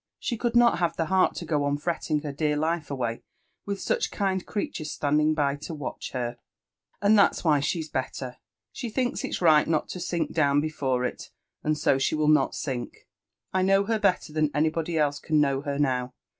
She could not have the heart to go on fretting her dear life away with such kind creatures standing by to watch her. And that's why she's better. She thinks it right not to sink down before it, and so she will not sink. I know her better than anybody else can know her now.